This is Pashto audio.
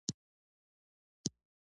دا د ورجینیا پوهنتون په جشن کې تاسیس شو.